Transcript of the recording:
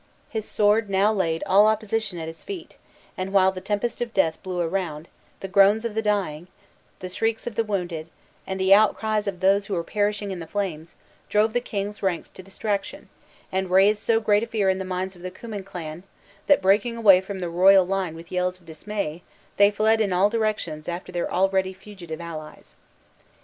His sword now laid all opposition at his feet; and while the tempest of death blew around, the groans of the dying, the shrieks of the wounded, and the outcries of those who were perishing in the flames, drove the king's ranks to distraction, and raised so great a fear in the minds of the Cummin clan, that, breaking from the royal line with yells of dismay, they fled in all directions after their already fugitive allies.